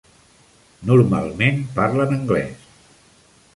Normalment parlen anglès.